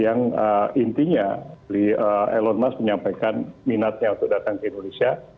yang intinya elon musk menyampaikan minatnya untuk datang ke indonesia